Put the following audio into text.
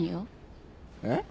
えっ？